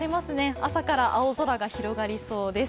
朝から青空が広がりそうです。